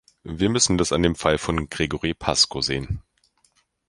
Wir müssen das an dem Fall von Gregori Pasko sehen.